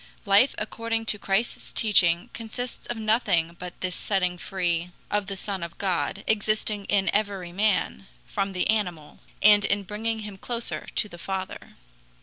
Life according to Christ's teaching consists of nothing but this setting free of the Son of God, existing in every man, from the animal, and in bringing him closer to the Father.